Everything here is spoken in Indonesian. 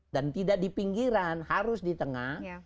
dan tidak di pinggiran harus di tengah